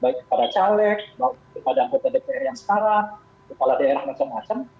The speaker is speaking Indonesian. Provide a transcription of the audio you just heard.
baik kepada caleg baik kepada anggota dpr yang sekarang kepala daerah macam macam